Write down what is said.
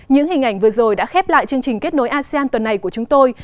những hình ảnh vừa rồi đã khép lại chương trình kết nối asean tuần này của chúng tôi